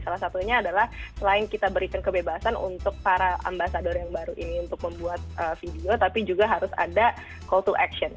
salah satunya adalah selain kita berikan kebebasan untuk para ambasador yang baru ini untuk membuat video tapi juga harus ada call to action